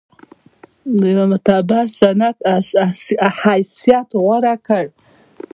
د یوه معتبر سند حیثیت غوره کړ.